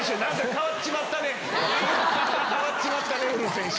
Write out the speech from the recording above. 変わっちまったねウルフ選手。